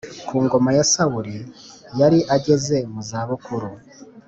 Ku ngoma ya Sawuli yari ageze mu za bukuru.